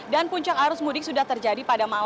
dan puncak arus mudik sudah terjadi pada hari ini